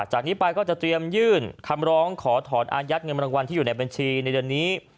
จากนี้ไปก็จะเตรียมยื่นคำร้องขอถอนอายัดเงินรางวัลที่อยู่ในบัญชีในเดือนนี้